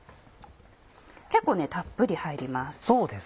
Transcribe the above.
結構たっぷり入ります。